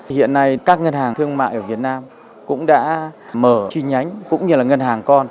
hiện nay các ngân hàng thương mại ở việt nam cũng đã mở chi nhánh cũng như là ngân hàng con